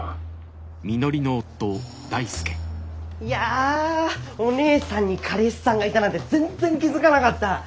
いやお姉さんに彼氏さんがいたなんて全然気付かなかった。